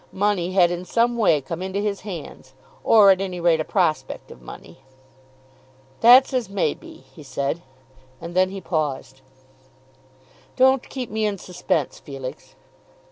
Money had in some way come into his hands, or at any rate a prospect of money. "That's as may be," he said, and then he paused. "Don't keep me in suspense, Felix."